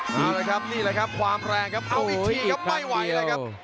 เอาละครับนี่แหละครับความแรงครับเอาอีกทีครับไม่ไหวแล้วครับ